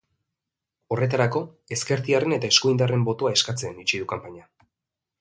Horretarako, ezkertiarren eta eskuindarren botoa eskatzen itxi du kanpaina.